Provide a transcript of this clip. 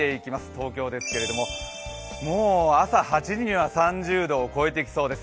東京ですけれども、もう朝８時には３０度を超えてきそうです。